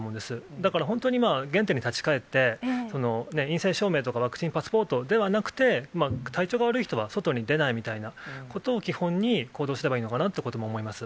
だから本当に原点に立ち返って、陰性証明とかワクチンパスポートではなくて、体調が悪い人は外に出ないみたいなことを基本に、行動すればいいのかなっていうことも思います。